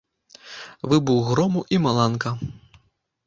Выбух грому і маланка.